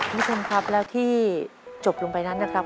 คุณผู้ชมครับแล้วที่จบลงไปนั้นนะครับ